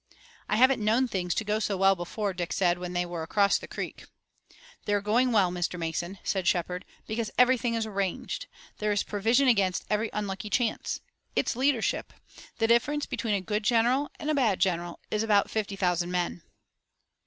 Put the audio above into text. "I haven't known things to go so well before," Dick said, when they were across the creek. "They're going well, Mr. Mason," said Shepard, "because everything is arranged. There is provision against every unlucky chance. It's leadership. The difference between a good general and a bad general is about fifty thousand men."